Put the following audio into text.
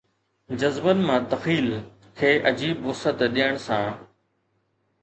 جذبن مان تخيل کي عجيب وسعت ڏيڻ سان